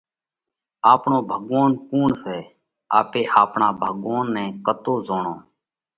آپڻو ڀڳوونَ ڪُوڻ سئہ؟ آپي آپڻا ڀڳوونَ نئہ ڪتو زوڻونه؟